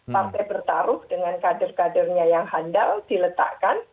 partai bertaruh dengan kader kadernya yang handal diletakkan